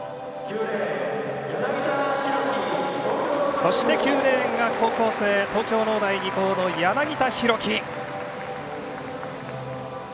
そして９レーンが高校生東京農大二高の柳田大輝。